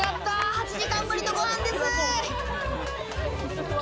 ８時間ぶりのご飯です。